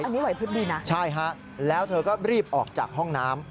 อันนี้ไหวพลิบดีนะใช่ฮะแล้วเธอก็รีบออกจากห้องน้ำ